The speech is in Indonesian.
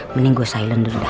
mending gue silen dulu dah